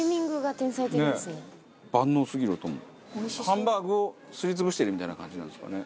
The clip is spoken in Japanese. ハンバーグをすり潰してるみたいな感じなんですかね。